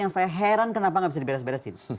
yang saya heran kenapa nggak bisa diberesin